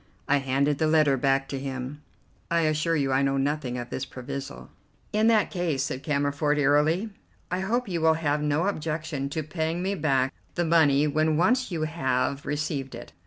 I handed the letter back to him. "I assure you I know nothing of this proviso." "In that case," said Cammerford airily, "I hope you will have no objection to paying me back the money when once you have received it.